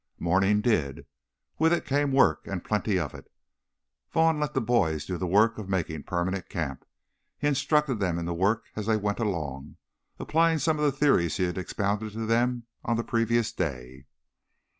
Morning did. With it came work, and plenty of it. Vaughn let the boys do the work of making permanent camp, he instructing them in the work as they went along, applying some of the theories he had expounded to them on the previous day.